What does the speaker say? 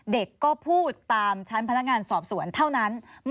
เด็กก็พูดตามชั้นพนักงานสอบสวนเท่านั้น